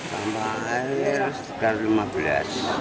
tambah air sekitar lima belas